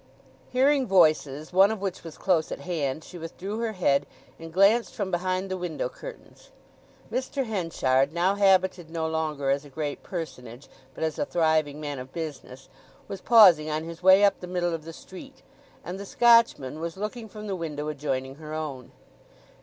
Hearing voices, one of which was close at hand, she withdrew her head and glanced from behind the window curtains. Mr. Henchard—now habited no longer as a great personage, but as a thriving man of business—was pausing on his way up the middle of the street, and the Scotchman was looking from the window adjoining her own.